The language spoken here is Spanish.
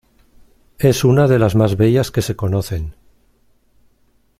Es una de las más bellas que se conocen.